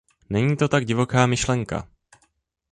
Není to tak divoká myšlenka.